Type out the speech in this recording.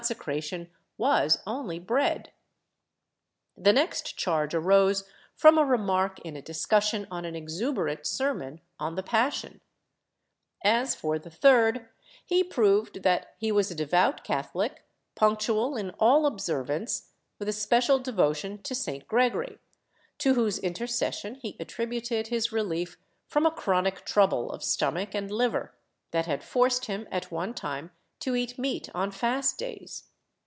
I). 140 PROPOSITIONS [Book VIII charge arose from a remark in a discussion on an exuberant sermon on the Passion, As for the third, he proved that he was a devout CathoUc, punctual in all observance, with a special devotion to St. Gregory, to whose intercession he attributed his relief from a chronic trouble of stomach and liver, that had forced him at one time to eat meat on fast days.